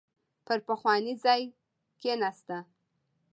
پر پخواني ځای کېناسته.